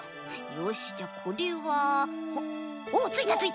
よしじゃあこれはおついたついた。